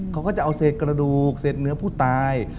เขาก็จะเอาเศษกระดูกเศษเนื้อผู้ตาย